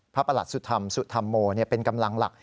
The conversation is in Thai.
ประหลัดสุธรรมสุธรรมโมเป็นกำลังหลัก